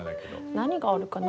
何があるかな？